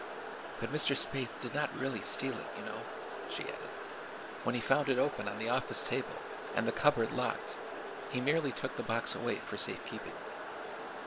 "But Mr. Spaythe did not really steal it, you know," she added. "When he found it open on the office table, and the cupboard locked, he merely took the box away for safe keeping."